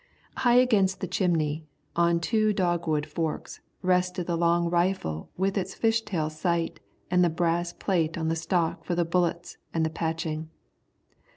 High against the chimney, on two dogwood forks, rested the long rifle with its fishtail sight and the brass plate on the stock for the bullets and the "patching."